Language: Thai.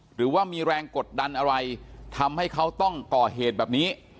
หรือว่ามีแรงกดดันอะไรทำให้เขาต้องก่อเหตุแบบนี้